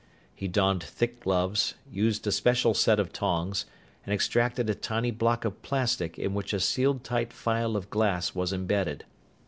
He donned thick gloves, used a special set of tongs, and extracted a tiny block of plastic in which a sealed tight phial of glass was embedded.